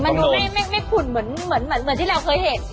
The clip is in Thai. มันดูไม่ขุ่นเหมือนที่เราเคยเห็น